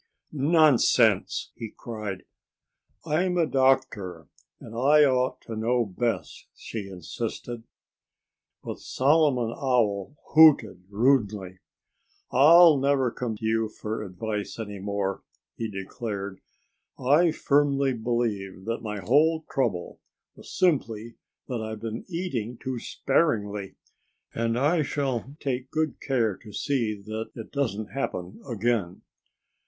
"Nonsense!" he cried. "I'm a doctor; and I ought to know best," she insisted. But Solomon Owl hooted rudely. "I'll never come to you for advice any more," he declared. "I firmly believe that my whole trouble was simply that I've been eating too sparingly. And I shall take good care to see that it doesn't happen again."